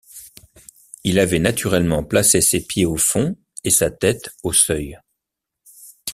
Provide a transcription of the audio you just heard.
Il avait naturellement placé ses pieds au fond et sa tête au seuil.